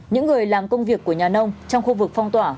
những người làm công việc của nhà nông trong khu vực phong tỏa